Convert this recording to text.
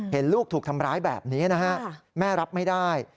เห็นลูกถูกทำร้ายแบบนี้นะฮะแม่รับไม่ได้